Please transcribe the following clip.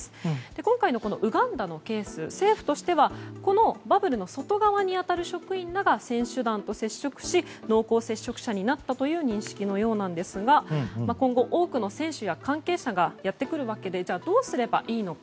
今回のウガンダのケースは政府としてはこのバブルの外側に当たる職員らが、選手団と接触し濃厚接触者になったという認識のようなんですが今後、多くの選手や関係者がやってくるわけでじゃあ、どうすればいいのか。